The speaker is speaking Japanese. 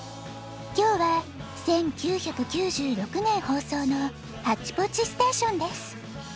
きょうは１９９６ねんほうそうの「ハッチポッチステーション」です。